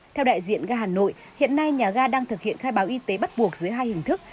theo đại diện ga hà nội hiện nay nhà ga đang thực hiện khai báo y tế bắt buộc dưới hai hình thức